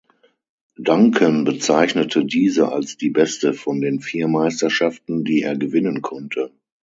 Duncan bezeichnete diese als die beste von den vier Meisterschaften, die er gewinnen konnte.